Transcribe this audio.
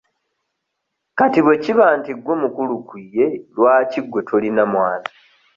Kati bwe kiba nti gwe mukulu ku ye, lwaki gwe tolina mwana?